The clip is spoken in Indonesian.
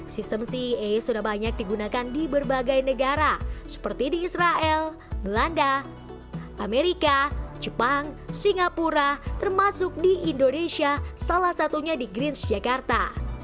sistem cea sudah banyak digunakan di berbagai negara seperti di israel belanda amerika jepang singapura termasuk di indonesia salah satunya di greens ⁇ jakarta